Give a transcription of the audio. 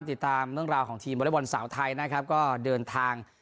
ติดตามเรื่องราวของทีมวอเล็กบอลสาวไทยนะครับก็เดินทาง